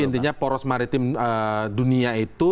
maksudnya polos maritim dunia itu